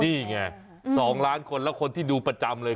นี่ไง๒ล้านคนแล้วคนที่ดูประจำเลย